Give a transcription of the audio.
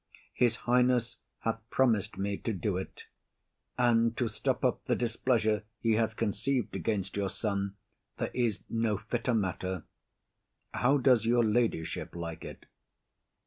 His highness hath promis'd me to do it; and, to stop up the displeasure he hath conceived against your son, there is no fitter matter. How does your ladyship like it?